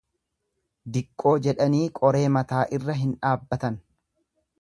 Diqqoo jedhanii qoree mataa irra hin dhaabbatan.